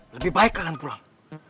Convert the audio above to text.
lebih baik kalian pulang